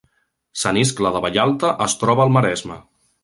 Sant Iscle de Vallalta es troba al Maresme